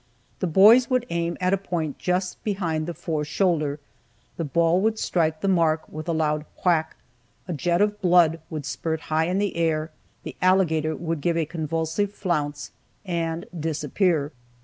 The boys would aim at a point just behind the fore shoulder, the ball would strike the mark with a loud "whack," a jet of blood would spurt high in the air, the alligator would give a convulsive flounce, and disappear.